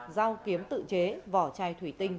dao kiếm tự chế vỏ chai thủy tinh